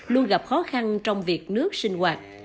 luôn gặp khó khăn trong việc nước sinh hoạt